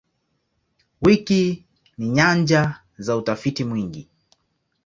Wiki ni nyanja za utafiti mwingi.